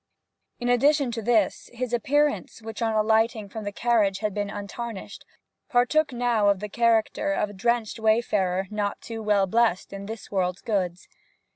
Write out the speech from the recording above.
In addition to this his appearance, which on alighting from the carriage had been untarnished, partook now of the character of a drenched wayfarer not too well blessed with this world's goods.